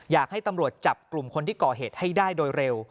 อยากให้ตำรวจจับกลุ่มคนที่ก่อเหตุให้ได้โดยเร็ว